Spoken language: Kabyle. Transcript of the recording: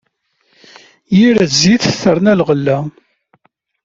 Yir zzit, terna leɣla.